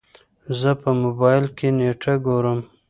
زه په موبايل کې نېټه ګورم.